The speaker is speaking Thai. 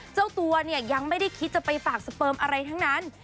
เจ้าตัวเนี่ยยังไม่ได้คิดจะไปฝากสเปิมอะไรทั้งนั้น